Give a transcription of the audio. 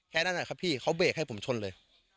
แค่นั้นนะครับพี่เขาเบรกให้ผมชนเลย